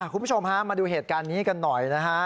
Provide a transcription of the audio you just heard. คุณผู้ชมฮะมาดูเหตุการณ์นี้กันหน่อยนะฮะ